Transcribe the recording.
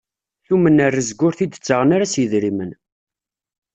Tumen rrezg ur t-id-ttaɣen ara s yidrimen.